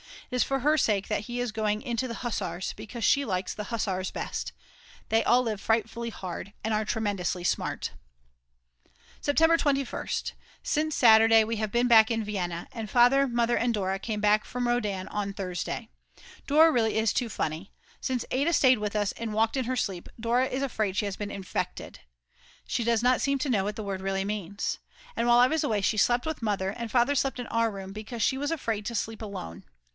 It is for her sake that he is going into the Hussars because she likes the Hussars best. They all live frightfully hard, and are tremendously smart. September 21st. Since Saturday we have been back In Vienna, and Father, Mother, and Dora came back from Rodaun on Thursday. Dora really is too funny; since Ada stayed with us and walked in her sleep Dora is afraid she has been infected. She does not seem to know what the word really means! And while I was away she slept with Mother, and Father slept in our room, because she was afraid to sleep alone.